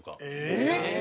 えっ！